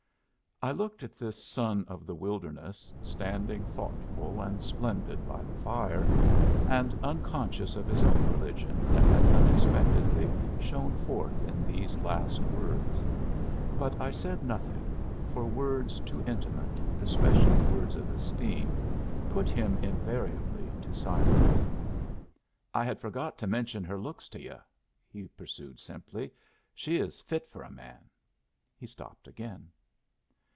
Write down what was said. I looked at this son of the wilderness, standing thoughtful and splendid by the fire, and unconscious of his own religion that had unexpectedly shone forth in these last words. But I said nothing; for words too intimate, especially words of esteem, put him invariably to silence. "I had forgot to mention her looks to yu'." he pursued, simply. "She is fit for a man." He stopped again.